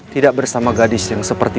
tidak bersama gadis yang seperti